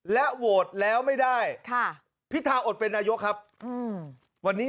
ก็ถ้าวันนี้